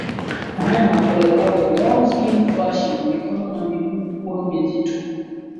Kuhema polepole Warm skin flushingMikono na miguu kuwa mizito